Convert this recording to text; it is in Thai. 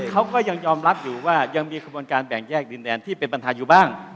นี่เขายังยอมรับว่ายังมีกระบวนแบ่งแยกดินแดนที่เป็นปัญหาอยู่บ้าง